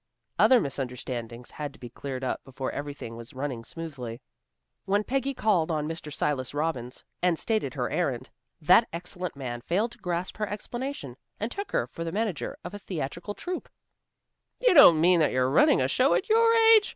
Other misunderstandings had to be cleared up before everything was running smoothly. When Peggy called on Mr. Silas Robbins, and stated her errand, that excellent man failed to grasp her explanation, and took her for the manager of a theatrical troupe. "You don't mean that you're running a show at your age!